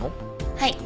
はい。